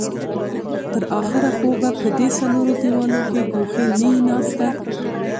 تر اخره خو به په دې څلورو دېوالو کې ګوښې نه يې ناسته.